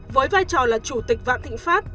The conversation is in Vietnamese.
với vai trò là chủ tịch vạn thịnh pháp